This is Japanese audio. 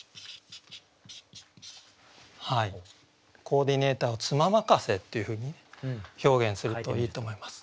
「コーディネーター」を「妻任せ」っていうふうに表現するといいと思います。